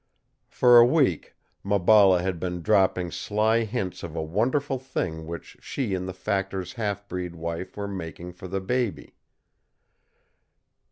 For a week Maballa had been dropping sly hints of a wonderful thing which she and the factor's half breed wife were making for the baby.